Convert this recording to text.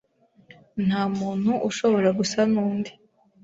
nta muntu ushobora gusa n’undi.